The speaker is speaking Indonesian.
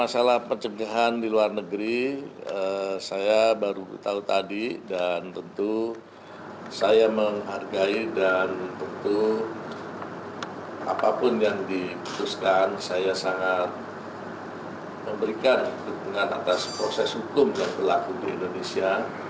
saya baru tahu tadi dan tentu saya menghargai dan tentu apapun yang diputuskan saya sangat memberikan kebenaran atas proses hukum yang berlaku di indonesia